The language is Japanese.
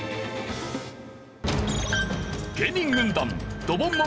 芸人軍団ドボン問題